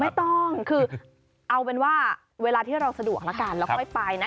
ถูกต้องคือเอาเป็นว่าเวลาที่เราสะดวกแล้วกันแล้วค่อยไปนะ